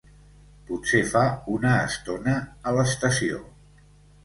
Potser fa una estona, a l'estació.